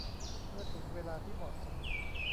เมื่อถึงเวลาที่เหมาะสม